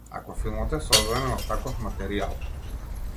Ако филмот е создаден од таков материјал.